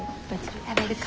食べるか。